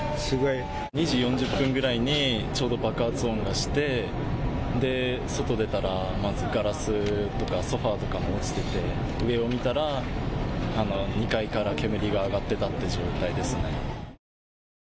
２時４０分くらいにちょうど爆発音がして外出たらガラスとかソファーとか落ちていて上を見たら２階から煙が上がっていて慌てたという状態。